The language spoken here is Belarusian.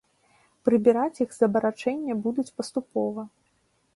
Прыбіраць іх з абарачэння будуць паступова.